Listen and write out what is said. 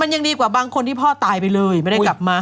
ยังดีกว่าบางคนที่พ่อตายไปเลยไม่ได้กลับมา